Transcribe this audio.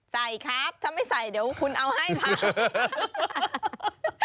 ใส่ครับถ้าไม่ใส่เดี๋ยวคุณเอาให้ค่ะ